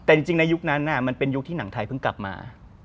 แต่จริงในยุคนั้นมันเป็นยุคที่หนังไทยเพิ่งกลับมา